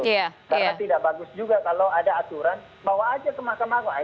karena tidak bagus juga kalau ada aturan bawa aja ke mahkamah agung aja